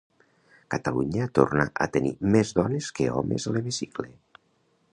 Catalunya torna a tenir més dones que homes a l'hemicicle.